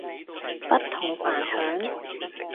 不同凡響